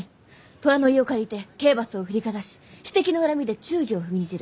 虎の威を借りて刑罰を振りかざし私的な恨みで忠義を踏みにじる。